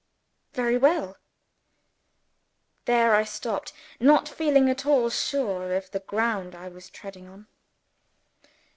"Very well." There I stopped, not feeling at all sure of the ground I was treading on.